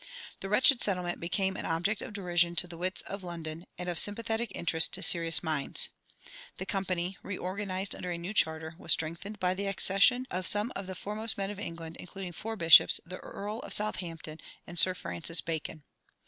The wretched settlement became an object of derision to the wits of London, and of sympathetic interest to serious minds. The Company, reorganized under a new charter, was strengthened by the accession of some of the foremost men in England, including four bishops, the Earl of Southampton, and Sir Francis Bacon.